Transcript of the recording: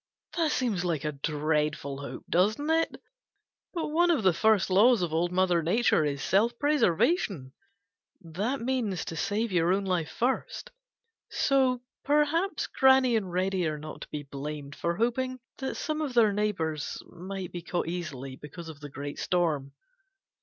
That seems like a dreadful hope, doesn't it? But one of the first laws of Old Mother Nature is self preservation. That means to save your own life first. So perhaps Granny and Reddy are not to be blamed for hoping that some of their neighbors might be caught easily because of the great storm.